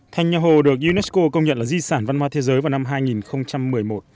thành nhà hồ được unesco công nhận là di sản văn hóa thế giới vào năm hai nghìn một mươi một